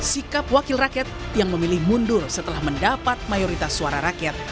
sikap wakil rakyat yang memilih mundur setelah mendapat mayoritas suara rakyat